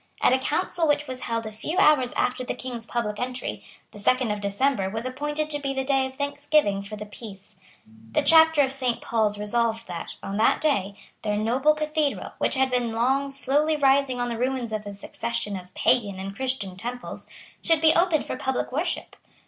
At a council which was held a few hours after the King's public entry, the second of December was appointed to be the day of thanksgiving for the peace. The Chapter of Saint Paul's resolved that, on that day, their noble Cathedral, which had been long slowly rising on the ruins of a succession of pagan and Christian temples, should be opened for public worship.